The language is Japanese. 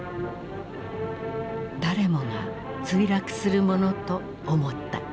誰もが墜落するものと思った。